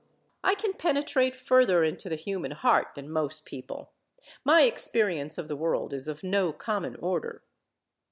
I can penetrate further into the human heart than most people: my experience of the world is of no common order."